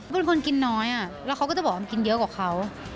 เป็นคนกินน้อยแล้วเขาก็จะบอกว่ามันกินเยอะกว่าเขา